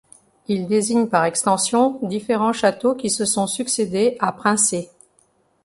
Il désigne par extension différents châteaux qui se sont succédé à Princé.